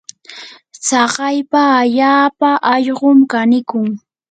tsakaypa allaapa allqum kanikun.